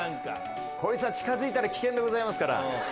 こいつは近づいたら危険ですから。